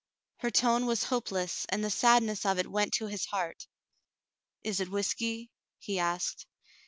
" Her tone was hopeless, and the sadness of it went to his heart. "Is it whiskey ?" he asked.